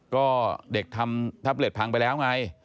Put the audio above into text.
ก็เด็กทำแท็บเล็ตพังไปแล้วไง